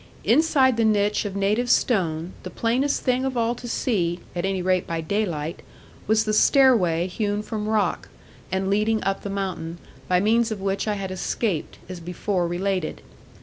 Inside the niche of native stone, the plainest thing of all to see, at any rate by day light, was the stairway hewn from rock, and leading up the mountain, by means of which I had escaped, as before related.